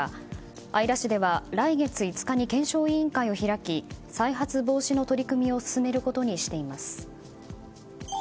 姶良市では、来月５日に検証委員会を開き再発防止の取り組みを進めることにしています。